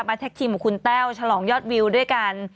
แท็กทีมกับคุณแต้วฉลองยอดวิวด้วยกัน